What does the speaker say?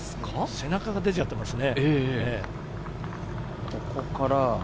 背中が出ちゃってますね。